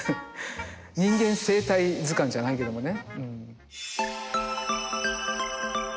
人間生態図鑑じゃないけどもね。